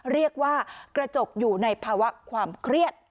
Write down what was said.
เรียกว่ากระจกอยู่ในภาวะความเครียด